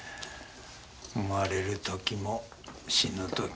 生まれる時も死ぬ時も。